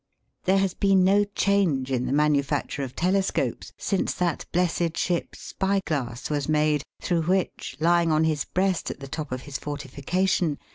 There has been no change in the manufacture of telescopes, since that blessed ship's spy glass was made, through which, lying on his breast at the top of his fortification, wit!